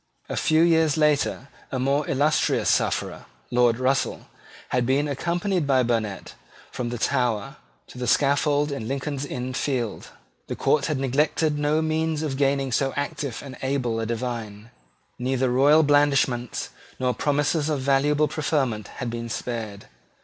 A few years later a more illustrious sufferer, Lord Russell, had been accompanied by Burnet from the Tower to the scaffold in Lincoln's Inn Fields. The court had neglected no means of gaining so active and able a divine. Neither royal blandishments nor promises of valuable preferment had been spared.